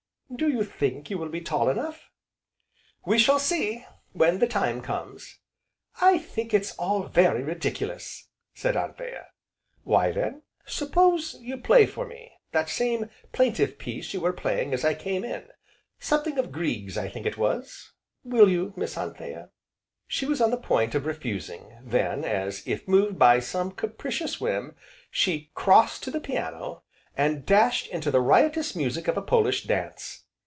"Do you think you will be tall enough?" "We shall see, when the time comes." "I think it's all very ridiculous!" said Anthea. "Why then suppose you play for me, that same, plaintive piece you were playing as I came in, something of Grieg's I think it was, will you, Miss Anthea?" She was on the point of refusing, then, as if moved by some capricious whim, she crossed to the piano, and dashed into the riotous music of a Polish Dance.